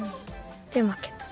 で負けた。